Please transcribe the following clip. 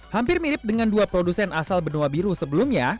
hampir mirip dengan dua produsen asal benua biru sebelumnya